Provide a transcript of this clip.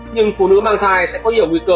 nhưng phụ nữ mang thai sẽ có nhiều nguy cơ